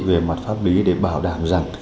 về mặt pháp lý để bảo đảm rằng